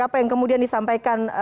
apa yang kemudian disampaikan